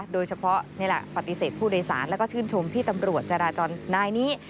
นี่แหละปฏิเสธผู้โดยสารแล้วก็ชื่นชมพี่ตำรวจจราจรนายนี้